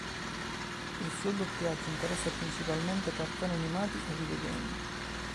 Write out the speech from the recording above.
Il suo doppiaggio interessa principalmente cartoni animati e videogame.